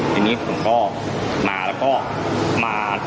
ทีนี้ผมก็มาแล้วก็มา